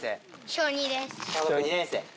小学２年生。